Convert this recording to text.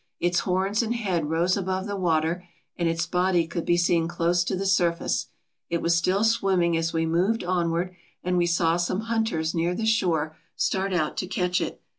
Its horns and head rose above the water and its body could be seen close to the surface. It was still swimming as we moved onward and we saw some hunters near the shore start out to catch it.